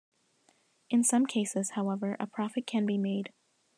In some cases, however, a profit can be made.